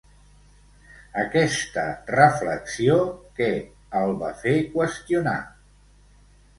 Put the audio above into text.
Aquesta reflexió, què el va fer qüestionar?